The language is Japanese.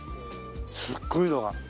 すっごいのが。